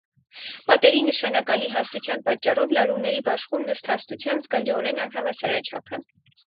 Պատերի նշանակալի հաստության պատճառով լարումների բաշխումն ըստ հաստության զգալիորեն անհավասարաչափ է։